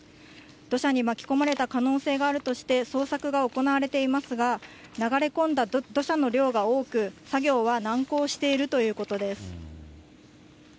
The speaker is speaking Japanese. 土砂に巻き込まれた可能性があるとして、捜索が行われていますが、流れ込んだ土砂の量が多く、作業は難航しているということです。